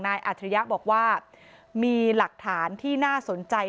อัจฉริยะบอกว่ามีหลักฐานที่น่าสนใจ